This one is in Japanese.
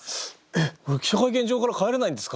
えっ記者会見場から帰れないんですか？